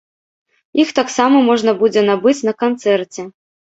Іх таксама можна будзе набыць на канцэрце.